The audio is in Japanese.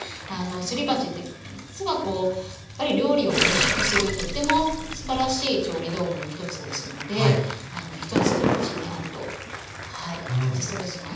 すり鉢って実はこうやっぱり料理をおいしくするとってもすばらしい調理道具の一つですので一つおうちにあるとはいおすすめします。